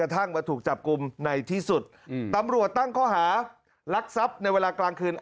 ถูกจับกลุ่มในที่สุดอืมตำรวจตั้งเขาหารักทรัพย์ในเวลากลางคืน